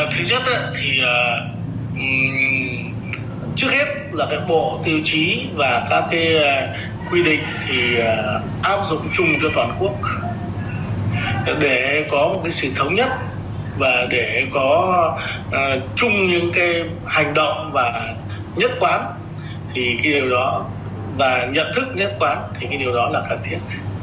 thứ nhất thì trước hết là bộ tiêu chí và các quy định áp dụng chung cho toàn quốc để có sự thống nhất và để có chung những hành động nhất quán và nhận thức nhất quán thì điều đó là cần thiết